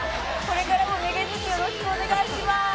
これからもめげずによろしくお願いします。